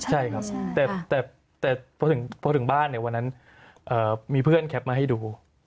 ใช่ครับแต่พอถึงบ้านเนี่ยวันนั้นมีเพื่อนแคปมาให้ดู